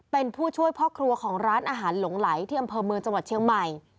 เป็นผู้ช่วยพ่อครัวของร้านอาหารหลงไหลที่อำเภอเมืองจังหวัดเชียงใหม่